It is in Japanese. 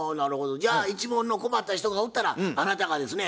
じゃあ一門の困った人がおったらあなたがですね